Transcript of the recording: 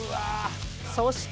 そして。